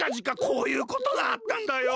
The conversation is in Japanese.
こういうことがあったんだよ。